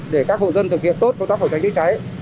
để các hộ dân thực hiện tốt công tác phòng cháy chữa cháy